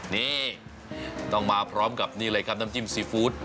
นี่ต้องมาพร้อมกับนี่เลยครับน้ำจิ้มซีฟู้ด